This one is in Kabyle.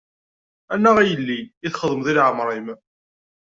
A naɣ a yelli, i txedmeḍ i leɛmer-im.